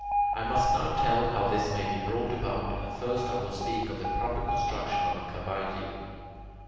I must now tell how this may be brought about, and first I will speak of the proper construction of a cavaedium.